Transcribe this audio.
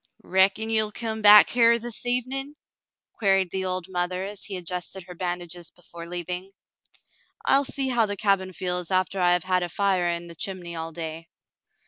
"Reckon ye'U come back hyar this evenin'.'*" queried the old mother, as he adjusted her bandages before leaving. "I'll see how the cabin feels after I have had a fire in the chimney all day."